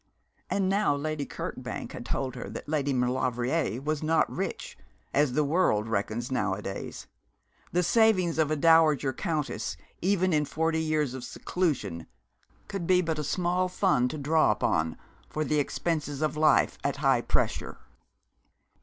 And now Lady Kirkbank had told her that Lady Maulevrier was not rich, as the world reckons nowadays. The savings of a dowager countess even in forty years of seclusion could be but a small fund to draw upon for the expenses of life at high pressure.